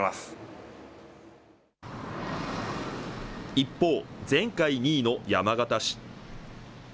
一方、前回２位の山形市。